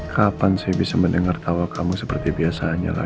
kamu pensi luar biasa karena aku sepertinya zichar no nut adobe